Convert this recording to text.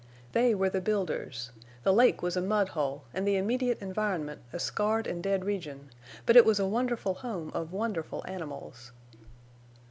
They were the builders. The lake was a mud hole, and the immediate environment a scarred and dead region, but it was a wonderful home of wonderful animals.